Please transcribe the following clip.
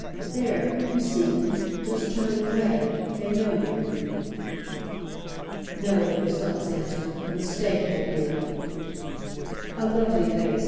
"There, you see them; just turning away. They know you." "No," Soames answered; "a mistake, my dear." "A lovely face!